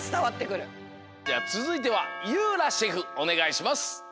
つづいてはゆうらシェフおねがいします。